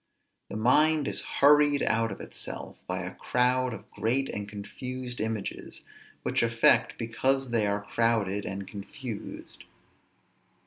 The mind is hurried out of itself, by a crowd of great and confused images; which affect because they are crowded and confused.